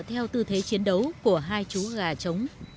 thứ thế chiến đấu của hai chú gà trống